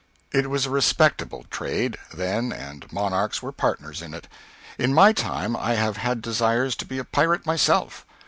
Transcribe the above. It was a respectable trade, then, and monarchs were partners in it. In my time I have had desires to be a pirate myself.